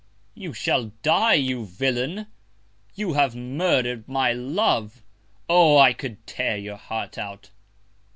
You shall die, you Villain! You have murder'd my Love. Oh! I could tear your Heart out.